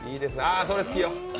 あ、それ好きよ。